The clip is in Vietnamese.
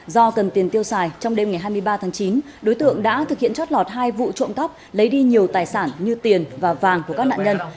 do cần tiền tiêu xài trong đêm ngày hai mươi ba tháng chín đối tượng đã thực hiện chót lọt hai vụ trộm cắp lấy đi nhiều tài sản như tiền và vàng của các nạn nhân